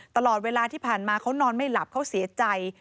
ตลอดเวลาที่ผ่านมาเขานอนไม่หลับเขาเสียใจ